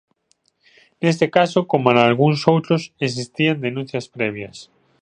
Neste caso, como nalgúns outros, existían denuncias previas.